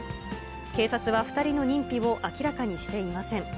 警察は２人の認否を明らかにしていません。